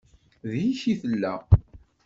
Deg-k i tella.